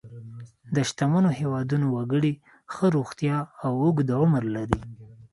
د شتمنو هېوادونو وګړي ښه روغتیا او اوږد عمر لري.